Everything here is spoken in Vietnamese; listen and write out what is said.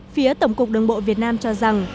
phía tổng cục đường bộ việt nam cho rằng